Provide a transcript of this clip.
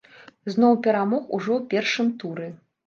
Зноў перамог ужо ў першым туры.